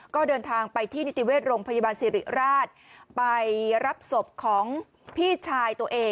ก็เดินทางไปที่นิติเวชโรงพยาบาลสิริราชไปรับศพของพี่ชายตัวเอง